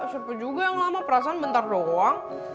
sepi juga yang lama perasaan bentar doang